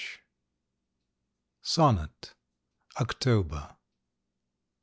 144 SONNET—OCTOBER.